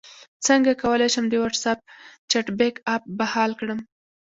څنګه کولی شم د واټساپ چټ بیک اپ بحال کړم